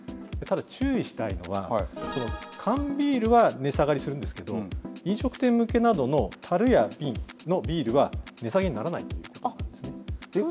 注意したいのは、缶ビールは値下がりするんですけど、飲食店向けなどのたるや瓶のビールは、値下げにならないということなんですね。